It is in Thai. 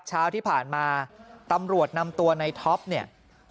เช้าที่ผ่านมาตำรวจนำตัวในท็อปเนี่ย